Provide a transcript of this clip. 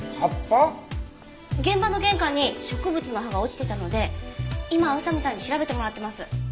現場の玄関に植物の葉が落ちてたので今宇佐見さんに調べてもらってます。